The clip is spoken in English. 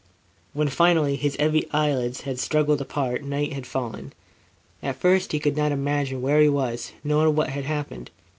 When finally his heavy eyelids had struggled apart, night had fallen. At first, he could not imagine where he was nor what had happened.